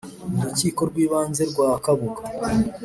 mu Rukiko rw’ Ibanze rwa Kabuga